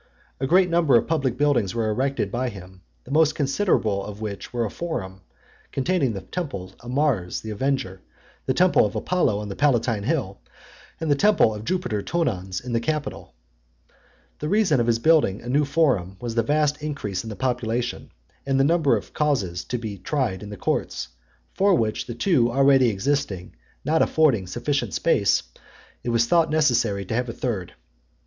A great number of public buildings were erected by him, the most considerable of which were a forum , containing the temple of Mars the Avenger, the temple of Apollo on the Palatine hill, and the temple of Jupiter Tonans in the Capitol. The reason of his building a new forum was the vast increase in the population, and the number of causes to be tried in the courts, for which, the two already existing not affording sufficient space, it was thought necessary to have a third.